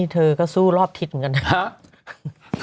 เธอก็สู้รอบทิศเหมือนกันนะครับ